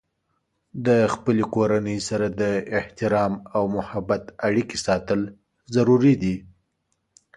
د خپلې کورنۍ سره د احترام او محبت اړیکې ساتل ضروري دي.